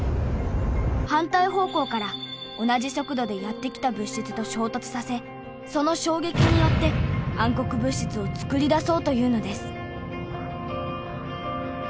反対方向から同じ速度でやって来た物質と衝突させその衝撃によって暗黒物質を創り出そうというのです。